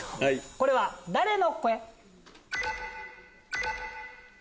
これは誰の声？